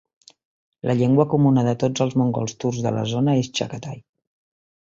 La llengua comuna de tots els mongols turcs de la zona és Chaghatay.